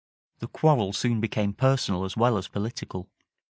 The quarrel soon became personal as well as political.